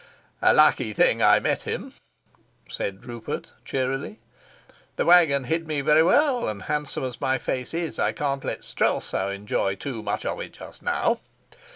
"A lucky thing I met him," said Rupert cheerily. "The wagon hid me very well; and handsome as my face is, I can't let Strelsau enjoy too much of it just now.